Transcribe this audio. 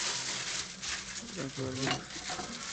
Transvaal Mus.